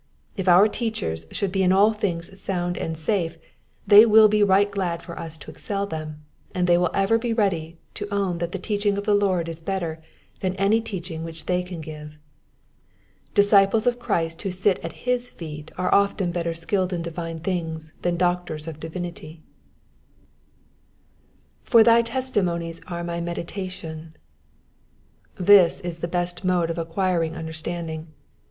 If our teachers should be in all things sound and safe, they will be right glad for us to excel them, and they will ever be ready to own that the teaching of the Lord is better than any teuchinff which they can give us. Disciples of Christ who sit at his feet are often better skilled in divine things than doctors of divinity, ^^For thy testimonies are my meditation.'^ ^ This is the best mode of acquiring understanding.